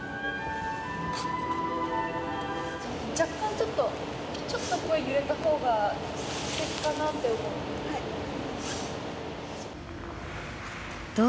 若干ちょっとちょっとこう揺れたほうがすてきかなって思う。